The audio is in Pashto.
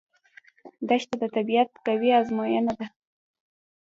دښته د طبیعت قوي ازموینه ده.